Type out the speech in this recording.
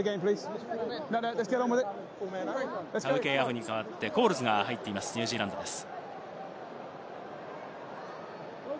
タウケイアホに代わってコールズが入っているニュージーランドです。